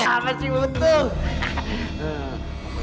apa sih betul